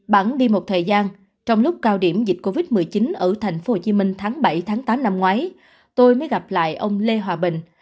bạn đi một thời gian trong lúc cao điểm dịch covid một mươi chín ở tp hcm tháng bảy tám năm ngoái tôi mới gặp lại ông lê hòa bình